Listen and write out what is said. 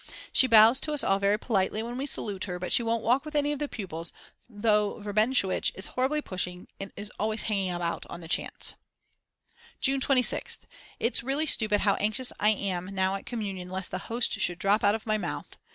She bows to us all very politely when we salute her, but she won't walk with any of the pupils, though Verbenowitsch is horribly pushing and is always hanging about on the chance. June 26th. It's really stupid how anxious I am now at Communion lest the host should drop out of my mouth.